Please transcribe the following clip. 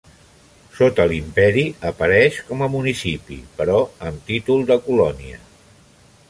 Sota l'Imperi apareix com a municipi però amb títol de colònia.